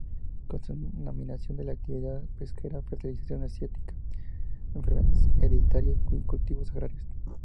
Contaminación de la actividad pesquera, fertilización asistida, enfermedades hereditarias, y cultivos agrarios.